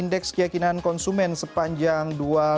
indeks keyakinan konsumen sepanjang dua ribu tujuh belas